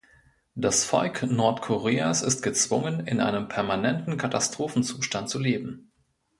Das Volk Nordkoreas ist gezwungen, in einem permanenten Katastrophenzustand zu leben.